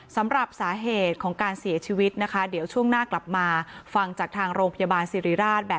สำหรับสาเหตุของการเสียชีวิตนะคะเดี๋ยวช่วงหน้ากลับมาฟังจากทางโรงพยาบาลสิริราช